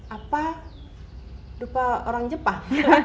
apa dupa orang jepang